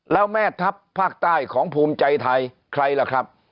แล้วแม่ทัพภาคใต้ของภูมิใจไทยใครล่ะครับ